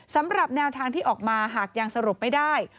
สำหรับแนวทางที่ออกมาหากยังสรุปไม่ได้